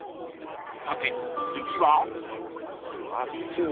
［さて次は？］